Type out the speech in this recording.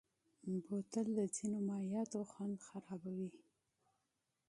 بوتل د ځینو مایعاتو خوند خرابوي.